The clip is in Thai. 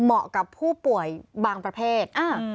เหมาะกับผู้ป่วยบางประเภท